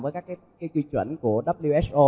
với các cái quy chuẩn của who